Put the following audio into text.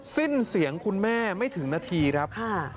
สิ้นเสียงคุณแม่ไม่ถึงนาทีครับ